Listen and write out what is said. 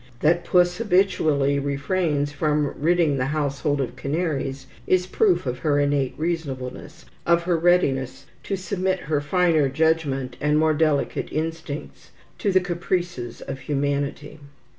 That Puss habitually refrains from ridding the household of canaries is proof of her innate reasonableness, of her readiness to submit her finer judgment and more delicate instincts to the common caprices of humanity.